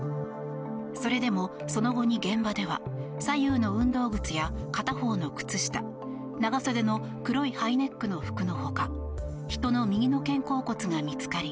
それでも、その後に現場では左右の運動靴や片方の靴下長袖の黒いハイネックの服の他人の右の肩甲骨が見つかり